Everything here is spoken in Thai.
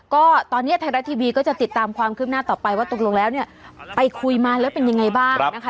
ก็ตอนนี้ไทยรัฐทีวีก็จะติดตามความคืบหน้าต่อไปว่าตกลงแล้วเนี่ยไปคุยมาแล้วเป็นยังไงบ้างนะคะ